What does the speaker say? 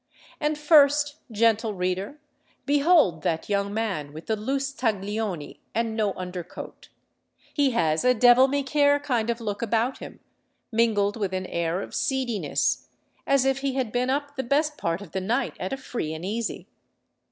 And first, gentle reader, behold that young man with the loose taglioni and no undercoat: he has a devil me care kind of look about him, mingled with an air of seediness, as if he had been up the best part of the night at a free and easy.